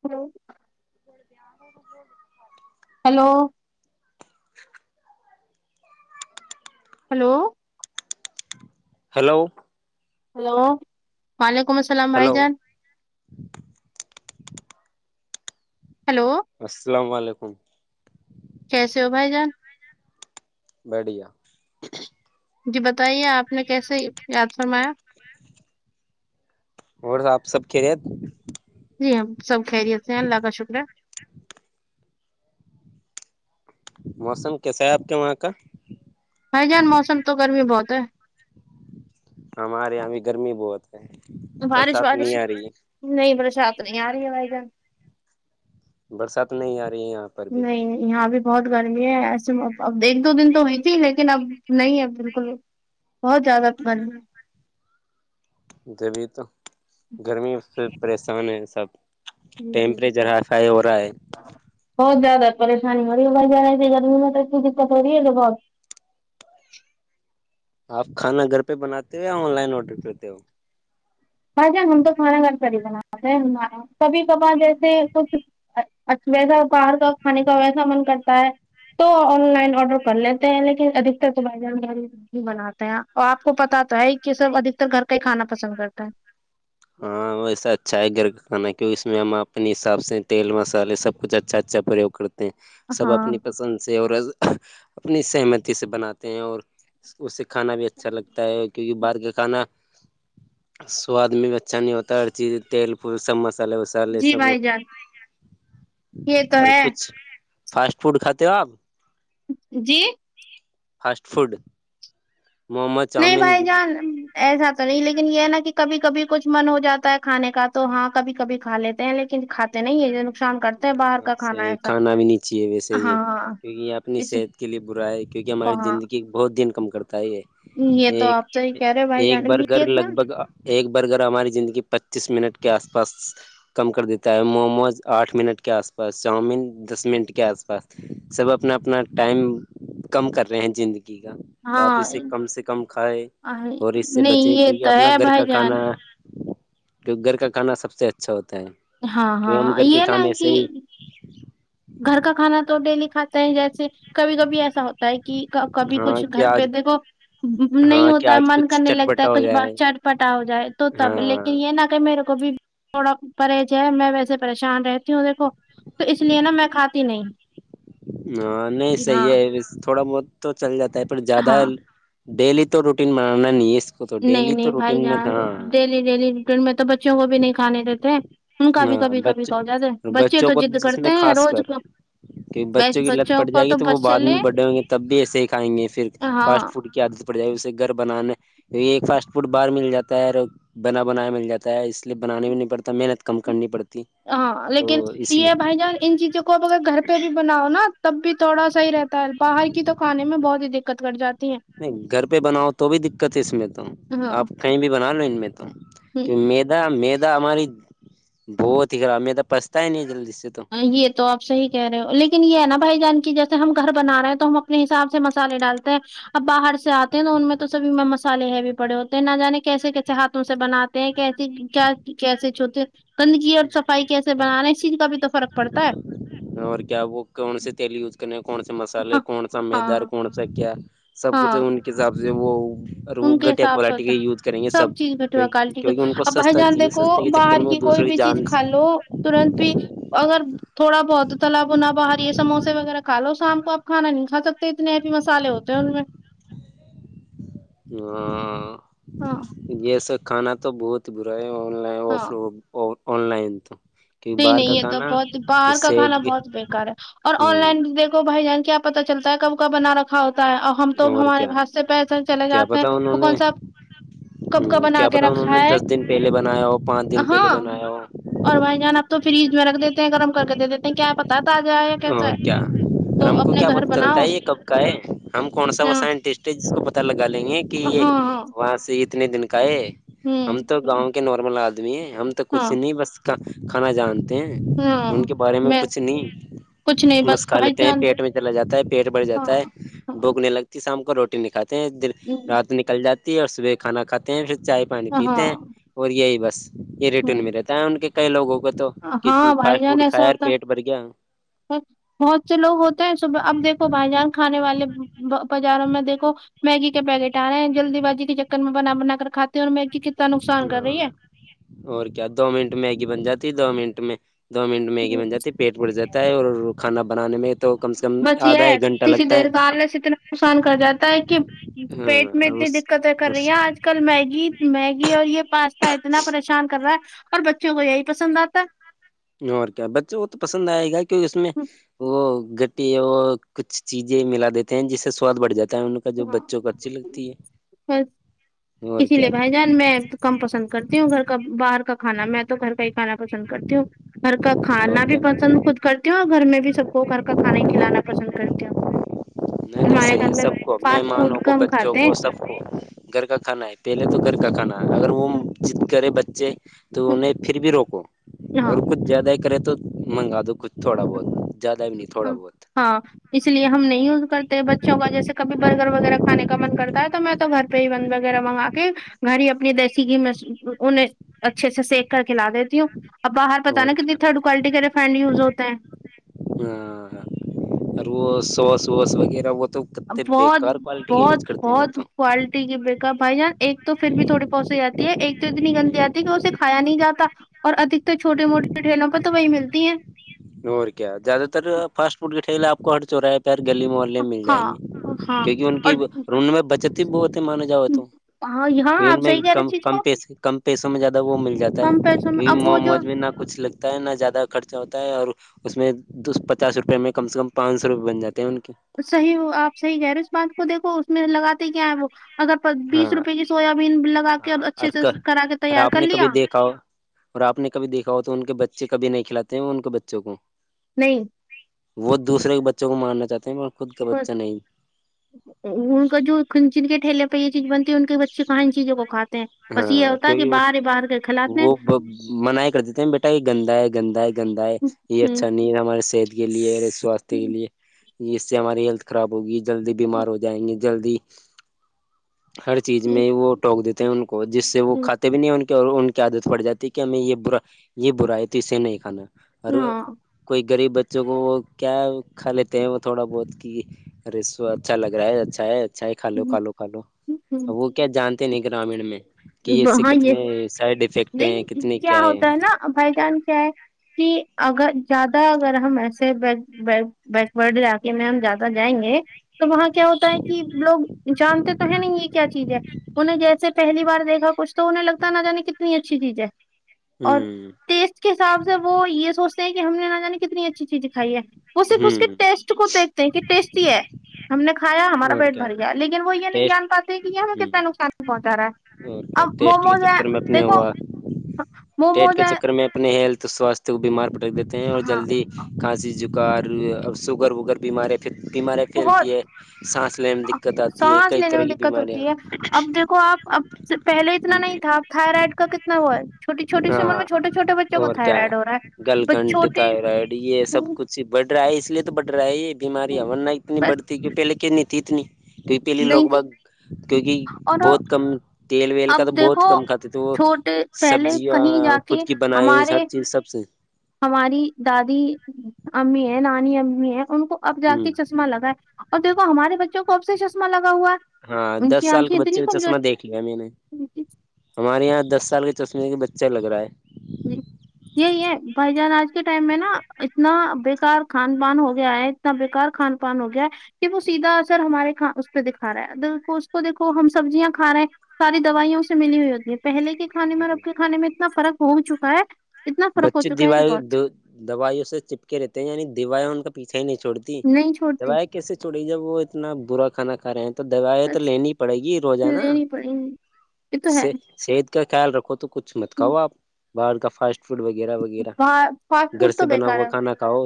Hello بے آار ب [inaudible] ہیلو [inaudible] ہلو ہیلو ہلو وعلیکم السلام بھائی ہلو جان [inaudible] ہیلو السلام علیکم کیسے ہو بھائی جان بڑھیا جی بتائیے آپ نے کیسے یاد فرمایا اور آپ سب خیریت جی ہم سب خیریت سے اللہ کا شکرہے موسم کیسا ہے آپ کے وہاں کا بھائی جان موسم تو گرمی بہت ہے ہمارے یہاں بھی گرمی بہت ہے بارش برسات وارش نہیں آ رہی ہے نہیں برسات نہیں آ رہی ہے بھائی جان برسات نہیں آ رہی یہاں پر بھی نہیں یہاں بھی بہت گرمی ہے ایسے اب ایک دو دن تو ہوئی تھی لیکن اب نہیں ہے بالکل بہت زیادہ گرمی ہے جبھی تو گرمی سے پریشان ہے سب جی جی جی ٹیمپریچر بھائی ہائی فائی ہو رہا ہے بہت زیادہ پریشانی ہو رہی ہے بھائی جان ایسی گرمی میں کسی دقت ہو رہی ہے یہ بہت آپ کھانا گھر پہ بناتے ہو یا آن لائن آرڈر کرتے ہو بھائی جان ہم تو کھانا گھر پر ہی بناتے ہیں کبھی کبھار جیسے کچھ ویسا باہر کا کھانے کا ویسا من کرتا ہے تو آن لائن آرڈر کر لیتے ہیں لیکن ادکتر تو بھائی جان ہی بناتے ہیں اور آپ کو پتہ تو ہے کہ سب ادھکتر گھر کا ہی کھانا پسند کرتے ہے ہاں ویسا اچھا ہے گھر کا کھانا کی اس میں ہم اپنے حساب سے تیل مسالے سب کچھ اچھا اچھا پریوگ کرتے سب اپنی ہاں پسند سے اور اپنی سہمتی سے بناتے ہیں اور اس کو سیکھنا بھی اچھا لگتا ہے کیونکہ باہر کا کھانا سواد میں بھی اچ اچھا نہیں ہوتا ہر چیز تیل پ سب مسالے وسالے لے جی سب بھائی جان یہ تو اور ہے کچھ فاسٹ فوڈ کھاتے ہو آپ جی فاسٹ فوڈ موموس نہیں چاؤمین بھائی جان ایسا تو نہیں لیکن یہ نا کہ کبھی کبھی کچھ من ہو جاتا ہے کھانے کا تو ہاں کبھی کبھی کھا لیتے ہیں لیکن کھات تو نہیں ہے [unintelligible] ہیں باہر کا سے ایسا کھانا بھی نہیں چاہے ویسے ہی ہاں کیونکہ یہ اپنی اس صحت کے لیے برا ہے کیونکہ ہماری ہاں زندگی بہت دن کم کرتا ہے یہ تو ایک آپ صحیح کہہ رہے ہو بھائی ایک جان بار گھر یہ تھا لگ بھگ ایک برگر ہماری زندگی کے پچیس منٹ کے آس پاس کم کر دیتا ہے موموز آٹھ منٹ کے آس پاس چاؤمن دس منٹ کے آس پاس سب اپنا اپنا ٹائم کم کر رہے ہیں زندگی کا تو آپ ہاں اسے کم سے کم کھائے آہ، اور اس سے نہیں بچے یہ کیونکہ تو اپنا ہے گھر کا بھائی جان کھانا توگھر کا کھانا سب سے اچھا ہوتا ہے ہاں کہ ہاں ہم گھر کے یہ نہ کھانے سے کہ ہی گھر کا کھانا تو ڈیلی کھاتے ہے جیسے کبھی کبھی ایسا ہوتا ہے کہ کبھی ہاں کچھ کہ گھر پہ آج دیکھو نہیں ہاں کہ ہوتا ہے آج من کچھ کرنے لگتا ہے چٹپٹا ہو کچھ بات جائے چٹ پٹا ہو جائے تو تب ہاں لیکن یہ نہ کہ میرے کو بھی تھوڑا پرہز ہے میں ویسے پریشان رہتی ہوں دیکھو تو اس لیے نا میں کھاتی نہیں ہاں نہیں ہاں صحیح ہے تھوڑا بہت تو چل جاتا ہے پر زیادہ ہاں ڈیلی تو روٹین بنانا نہیں ہے اس کو تو نہیں ڈیلی تو نہیں بھائی روٹین میں جان ہاں ڈیلی ڈیلی روٹین میں تو بچیوں کو بھی نہیں کھانے دیتے ان کا ہاں بھی کبھی کبھی کا ہوجاتا بچے ہے بچے بچوں تو کو ضد جس میں کرتے ہیں خاص کر روز کو کہ بچوں کو لت پڑ جائے گی تو وہ بعد میں بڑے ہووں گے تب بھی ایسے ہی کھائیں گے پھر ہاں فاسٹ فوڈ کی عادت پڑ جائے اسے گھر بنانے ایک فاسٹ فوڈ باہر مل جاتا ہے اور بنا بنایا مل جاتا ہے اس لیے بنانے بھی نہیں پڑتا محنت کم کرنی پڑ ہاں لیکن یہ بھائی جان ان چیزوں کو کو اب اگر گھر پہ بھی بناؤ نا تب بھی تھوڑا صحیح رہتا ہے باہر کی تو کانے میں بہت ہی دقت گٹ جاتی ہے نہیں گھر پہ بناؤ تو بھی دقت ہے اس میں تو ہاں آپ کہیں بھی بنا لو ان میں تو ہ کے میر میدہ ہماری بہت ہی خراب میدا پچتا ہی نہیں جلدی سے تو یہ تو آپ صحیح کہہ رہے ہو لیکن یہ ہے نا بھائی جان کی جیسے ہم گھر بنا رہے ہیں تو ہم اپنے حساب سے مسالے ڈالتے ہیں اب باہر سے آتے ہیں نا ان میں تو سبھی سالے ہے بھی پڑے ہوتے ہیں نہ جانے کیسے کیسے ہاتھوں سے بنے ہیں کیس کیا کیسے چھوتے گندگی اور صفائی کیسے بنانا اس چیز کا بھی تو فرق پڑتا ہے اور کیا وہ کون سے تیل یوز کرنے ہیں کون سے مسالے ہاں کون سا مدار ہاں کون سا کیا سب کچھ ہاں تو ان کے حساب سے وہ اور وہ ان کے گھٹیا حساب سے کوالٹی ہوتا کا یوز کریں گے سب چیز بیٹوا کوالٹی کے کیک ان کو اب بھائی سستا جان چاہیے دیکھو سستے کے چکر باہر میں وہ کی کوئی دوسروں کی بھی چیز جان کھالو ترنت بھی اگر تھوڑا بہت تالبنا باہر یہ سموسے وغیرہ کھا لو شام کو آپ کھانا نہیں کہا سک اتنے ایپی مسالے ہوتے ہیں ان میں ہاں ہاں جیسے کھانا تو بہت ہی برا ہے لائ ہاں آن لائن تو کہ نہیں باہر نہیں کا یہ تو کھانا بہت یہ باہر کاھانا صحت کی بہت بےیکار ہے اور آن لائن بھی ہوں دیکھو بھائی جان کیا آپ پتا چلتا ہے کب کابنا رکھا ا ہوتا ہے اور ہم تو ہمارے بات سے پہسل چلے کیا جاتے ہیں پتا انہوں تو نے کون سا ہ کب کا بنا کیا کے پتا انہوں رکھا نے ہے دس دن پہلے بنایا ہو پانچ دن ہاں پہلے بنایا ہو اور بھائی جان آپ تو فریج میں رکھ دیتے ہیں گرم کر کے دے دیتے ہیں کیااپ اور کیا اور ہم کو اپنے کیا گھر پت چلتا بناؤ ہے یہ کب کا ہے ہم کون سا وہ ہاں سائنٹسٹ جس کو پتا لگا لیں گے کہ یہ ہاں وہاں سے کتنے دن کا ہے ہم ہوں تو ہوں، گاؤں کے نارمل آدمی ہیں ہم تو ہاں کچھ نہیں بس کھانا جانتے ہیں ان کے بارے میں کچھ نہیں کچھ نہیں بس کھا بھائی لیتے ہیں جان پیٹ میں چلا جاتا ہے پیٹ بڑھ ہاں جاتا ہے ہاں بوکنے لگتی شام کو روٹی نہیں کھاتے ہیں دن ہوں، رات نکل جاتی ہے اور صبح کھانا کھاتے ہیں پھر چائے پانی ہاں پیتے ہیں اور یہی بس یہ ریٹن ہوں، میں رہتا ہے ان کے کئی لوگوں کو تو کتنے ہاں فاسٹ فوڈ کھائےاور پیٹ بر گیا سچ بہت سے لوگ ہوتے ہیں صبح اب دیکھو بھائی جان کھانے والے بازاروں میں دیکھو میگی کے پیکٹ ارہے ہیں جلدی بازی کے چکر میں بنا بنا کر کھاتے ہوں اور میگی کتنا نقصان کر رہی ہے ہاں اور کیا دو منٹ میگی بن جاتی دو منٹ میں دو منٹ ہے میگی بن جاتی پیٹ بڑ جاتا ہے اور کھانا بنانے میں تو کم سے کم بس یہ آدھا ہے ایک گھنٹہ کسی لگتا ہے دیرکالنے سے اتنا نقصان کر جاتا ہے کہ پیٹ میں ہاں اتنی د قدر کر اس رہی آج کل میگی میگی اور یہ پاستا اتنا پریشان کر رہا ہے اور بچوں کو یہی پسند آتا اور کیا بچے وہ تو پسند آئے گا کیہ اس میں ہے وہ گٹی اور کچھ چیزیں ملا دیتے ہیں جس سے سواد بڑھ جاتا ہے ان کا جو بچوں کو اچھی لگتی بس۔ ہے اور اسی کیا لیے بھائی جان میں کم پسند کرتی ہوں گھر کا باہر کا کھانا میں تو گھر کا ہی کھانا پسند کرتی ہوں گھر کا اور کھانا بھی کیا پسند خود کرتی ہوں اور گھر میں بھی سب کو گھر کا کھانا ہی کھلانا پسند کرتی ہوں [inaudible] نہیں ہمارے صحیح گھر ہے میں سب کو فاسٹ مہمانوں فوڈ کو کم بچوں کھاتے کو ہیں سب گھر کا کھانا ہے پہلے تو گھر کا کھانا اگر وہ ضد کرے بچے تو انہیں پھر بھی روکو اگر ہاں کچھ زیادہ ہی کرے تو منگا دو کچھ تھوڑا بہت زیادہ نہیں تھوڑا ہاں بہت ہاں اس لیے ہم نہیں یوز کرتے بچوں کا جیسے کبھی برگر وغیرہ کھانے کا من کرتا ہے تو میں تو گھر بند وغیرہ منگا کے گھر ہی اپنی دیسی گھی میں انہیں اچھے سے سیک کر کے لا دیتی ہوں اب باہر پتہ اور نا کتنی تھرڈ کوالٹی کا ریفینڈ یز ہو ہاں اور وہ سوس ووس وغیرہ وہ تو اب کتتے بہت بےیکار کوالٹی کا یوز بہت کرتے ہیں م بہت تو کوالٹی کی بیک بھائی جان ایک تو پھر بھی تھوڑی پہنچ جاتی ہے ایک تو اتنی گندی آتی ہے کہ اسے کایا نہیں جاتا اور ادکتر چھوٹے موٹے ٹریلوں پہ تو وہی ملتی ہیں اور کیا زیادہ تر فاسٹ فوڈ کی ٹھیلہ آپ کو ہر چوراہے پے ہر گلی محل مل جائیں گے ہاں ہاں کیونکہ ان اور کی ان میں بچت ہی بہت ہے مانا جاؤ تو ہاں یہاں کیو ان آپ میں صحیح کہہ رہے اس کم چیز کم کو پس کم پیسوں میں زیادہ وہ مل جاتا ہے کم پیسوں میں کیونکہ اب وہ جو موموج میں نہ کچھ لگ تا ہے نہ زیادہ خرچہ ہوتا ہے اور اس میں پچاس روپئے میں کم سے کم پانچ سو روپئے بن جاتے ہیں ان کے صحیح ہو آپ صحیح کہہ رہو اس بات کو دیکھو اس میں لگاتے کیا ہے وہ اگر ہاں بیس روپے کی سویا بین لگا کے ہاں اور اچھے سے کرا کے اور تیار آپ کر نے کبھی لیا دیکھا ہو اور آپ نے کبھی دیکھا ہو تو ان کے بچے کبھی نہیں کھلاتے ہیں ان کے بچوں کو نہیں وہ دوسرے کے بچوں کو مارنا چاہتے ہیں پر خود کا بچہ نہیں ا وہ ان کا جو کھنچکٹ کے ٹھیلے یہ چیز بنتی ان کے بچے کہاں ان چیزوں کو کھاتے ہیں بس یہ ہاں ہوتا ہے کہ کیونکہ وہ باہر باہر کر کھلاتے ہیں وہ منائی کر دیتے ہیں بیٹا یہ گندا ہے گندا ہے گندا ہے یہ اچھا نہیں ہے ہمارے صحت کے لیے سواستھ کے لیے اس سے ہماری ہیلتھ خراب ہوگی جلدی بیمار ہو جائیں گی جلدی ہر چیز میں وہ ٹوک دیتے ہیں ان کو جس سے وہ کھاتے بھی نہیں ان کی عادت پڑ جاتی ہے کہ ہمیں یہ ب یہ برائی تو اسے نہیں کھانا اور ہاں کوئی غریب بچوں کو وہ کیا کھا لیتے ہیں وہ تھوڑا بہت کہ رسو اچھا لگ رہا ہے اچھا ہے اچھا ہے کھا لو کھا لو کھا لو وہ کیا جانتے نہیں گرامین میں کہ اس سے ہاں یہ کتنے سائڈ افیکٹ ہیں کتنے کیا ہے ا بھائی جان کیا ہے کہ اگر زیادہ اگر ہم ایسے بے باک بیکورڈ علاقے میں ہم جا جائیں گے تو وہاں کیا ہوتا ہے کہ لوگ جانتے تو ہیں نہیں یہ کیا چیز ہے انہیں جیسے سے پہلی بار دیکھا کچھ تو لگتا نہ جانے کتنی اچھی چیز ہے اور ہوں ٹیسٹ کے حساب سے وہ وہ یہ سوچتے ہیں کہ ہم نے نہ جانے کتنی اچھی چیز کھائی ہے وہ صرف اس کے ہوں ٹیسٹ کو دیکھتے ہیں کہ ٹسٹی ہے ہم نے کھایا ہمارا اور پیٹ کیا بھر گیا ہے لیکن وہ یہ نہیں ٹیسٹ جان پاتے کہ یہ ہمیں کتنا نقصان پہچا رہا ہے اور کیا اب ٹیسٹ کے موموز ہے چکر میں اپنے دیکھو ہوا ٹیٹ موموز کے ہے چکر میں اپنے ہیلتھ سوستھ تو بیمار پٹک دیتے ہیں اور ہاں جلدی کھانسی جکار سوگر وگر بیمار پھر بیماریاں بہت پھیلتی ہے سانس لینے میں دقت آتی ہے کئی طرح کی بیماریاں کو آپ اب پہلے اتنا نہیں تھا اب تھائرائڈ کا کتنا ہوا ہے چھوٹی چھوٹی سی عمر ہاں میں چھوٹے چھوٹے بچوں کو اور کیا تھائرائڈ ہو رہا ہے ب چھوٹے جی بڑھ رہا ہے اس لیے تو بڑ رہا یہ بیماریاں ورنہ اتنی بس بڑھتی کی پہلے کے نہیں تھی اتنی پہلیے لوگ نہیں تھی باگ کیونکہ اور بہت کم تیل ویل اب کا تو بہت دیکھو کم کھاتے تھے وہ چھوٹے پہلے سبزیاں کہیں جا خود کے کی بنائی ہر ہمارے چیز سب سے ہماری دادی امی ہے نانی امی ہے ان کو اب جا ہ کے چ چشمہ لگا ہے اور دیکو ہمارے بچوں کو اب سے چشمہ لگا ہوا ہاں ان دس کی سال کے آنکھیں بچے اتنی کا کمزور چشمہ دیکھ لیا میں نے ہمارے یہاں دس سال کے چشمے کے بچہ لگ رہا ہے جی یہی ہے بھائی جان آج کے ٹائم میں نا اتنا بیکار کھان پان ہو گیا ہے اتنا بیکار کھان پان ہو گیا کہ وہ سیدھا اثر ہمارے کھ اس پہ دکھا رہا ہے اس کو دیکھو ہم سبزیاں کھا رہے ہیں ساری دوائیوں سے ملی ہوئی ہوتی ہے پہلے کے کھانے جی میں اب جی کے کھانے میں اتنا فرق ہو چکا ہے اتنا فرق ہو بچے چکا ہے کہ دیوال بہت دو دوائیوں سے چپک رہتے ہیں یعنی دوائیا ان کا پیچھے ہی نہیں چھوڑتی نہیں چھوڑتی دوائیں کیسے چھوڑی جب وہ اتنا برا کھانا کھا رہے ہیں تو دوائیں تو بس لینی پڑے گی روزانہ لینی پڑیں گی یہ تو ہے صحت کا خیال رکھو تو کچھ مت کھاو آپ باہر کا فاسٹ فوڈ وغیرہ وغیرہ فاسٹ گھر فوڈ سے تو بنا بیکار ہوا ہے کھانا کھاؤ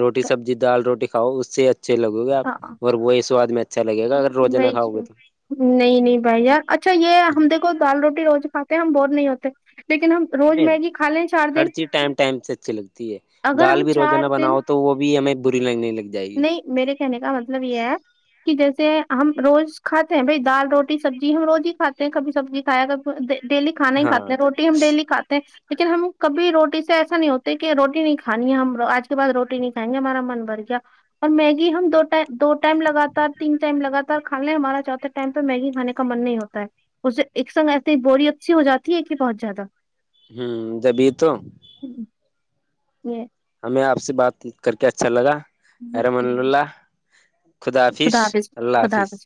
روٹی سبزی دال روٹی کھاؤ اس سے اچ اچھے لگو گے آپ ہاں اور وہی سواد میں اچھا لگے گا اگر روزہ نہ بھائی کھاؤ جی گے تو نہیں نہیں بھائی یار اچھا یہ ہم دیکھو دال روٹی روز کھاتے ہم بور نہیں ہوتے لیکن ہم روز نہیں میگی کھا لے ہر چیز ٹائم ٹائم سے اچھی لگتی ہے اگر دال ہم بھی روزانہ چار دن بناؤ تو وہ بھی ہمیں بری لگ نہ لگ جائے گی نہیں میرے کہنے کا مطلب یہ ہے کہ جیسے ہم روز کھاتے ہیں بھائی دال روٹی سبزی ہم روز ہی کھاتے ہیں کبھی سبزی کھایا کبھی ڈیلی کھانا ہی ہاں کھاتے ہیں روٹی ہم ڈیلی کھاتے ہیں لیکن ہم کبھی روٹی سے ایسا نہیں ہوتے کہ روٹی نہیں کھانی ہے ہم آج کے بعد روٹی نہیں کھائیں گے ہمارا من بھر گیا اور میگی ہم دو دو ٹائم لگاتار تین ٹائم لگاتار کھانے ہمارا چاہتے ٹائم پہ میگی کھانے کا من نہیں ہوتا ہے اسے ایک سنگ ایسے بوری اچھی ہواتی ہے کہ بہت زیادہ ہوں جبھی تو ہوں یہ ہمیں آپ سے بات کر کے اچھا لگا [unintelligible] خدا حافظ اللہ حافظ